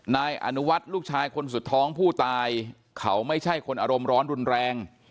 นายอนุวัฒน์ลูกชายคนสุดท้องผู้ตายเขาไม่ใช่คนอารมณ์ร้อนรุนแรง